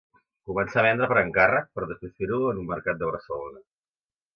Començà a vendre per encàrrec, per a després fer-ho en un mercat de Barcelona.